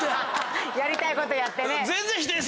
やりたいことやってね。